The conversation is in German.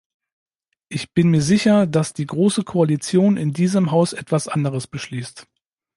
Ich bin mir sicher, dass die große Koalition in diesem Haus etwas anderes beschließt.